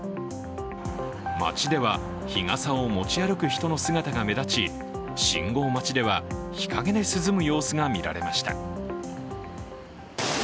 街では、日傘を持ち歩く人の姿が目立ち信号待ちでは日陰で涼む様子が見られました。